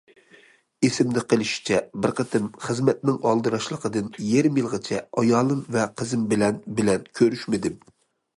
ئېسىمدە قېلىشىچە، بىر قېتىم خىزمەتنىڭ ئالدىراشلىقىدىن يېرىم يىلغىچە ئايالىم ۋە قىزىم بىلەن بىلەن كۆرۈشمىدىم.